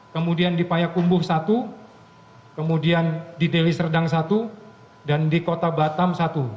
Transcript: kemudian di payakumbuh satu kemudian di deli serdang satu dan di kota batam satu